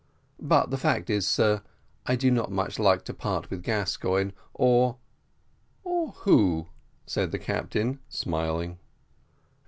But the fact is, sir, that I do not much like to part with Gascoigne, or " "Or who?" said the captain, smiling.